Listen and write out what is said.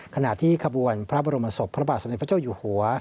ขณะที่ขบวนพระบรมศพพระบาทสมเด็จพระเจ้าอยู่หัว